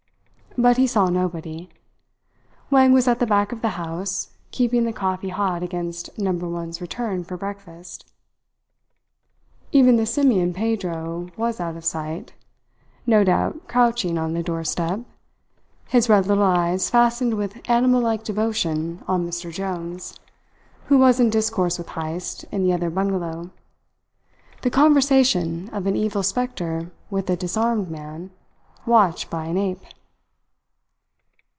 But he saw nobody. Wang was at the back of the house, keeping the coffee hot against Number One's return for breakfast. Even the simian Pedro was out of sight, no doubt crouching on the door step, his red little eyes fastened with animal like devotion on Mr. Jones, who was in discourse with Heyst in the other bungalow the conversation of an evil spectre with a disarmed man, watched by an ape.